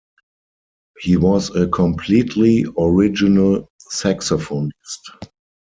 He was a completely original saxophonist...